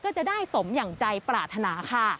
ก็จะได้สมอย่างใจปรารถนาค่ะ